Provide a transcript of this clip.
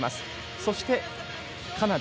そして、カナダ。